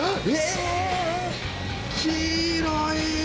黄色い！